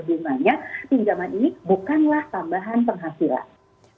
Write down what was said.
bunganya pinjaman ini bukanlah tambahan penghasilan